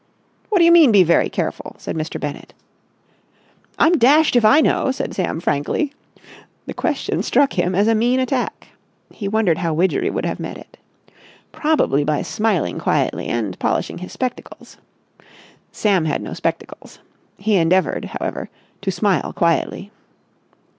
"What do you mean, be very careful?" said Mr. Bennett. "I'm dashed if I know," said Sam frankly. The question struck him as a mean attack. He wondered how Widgery would have met it. Probably by smiling quietly and polishing his spectacles. Sam had no spectacles. He endeavoured, however, to smile quietly.